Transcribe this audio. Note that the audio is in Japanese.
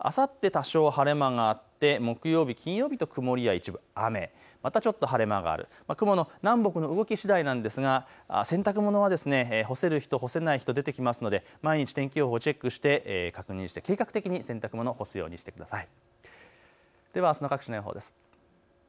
多少、晴れ間があって、木曜日、金曜日と曇りや一部雨、またちょっと晴れ間がある、雲の動きしだいですが洗濯物は干せる日と干せない日があるので毎日天気予報をチェックして確認して計画的に洗濯物を干すようにしてください。